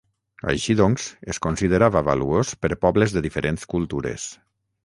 Així doncs, es considerava valuós per pobles de diferents cultures.